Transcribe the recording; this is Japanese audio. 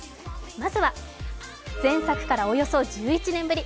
まずは、前作からおよそ１１年ぶり。